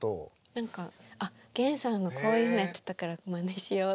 何か源さんがこういうのやってたからまねしようとか。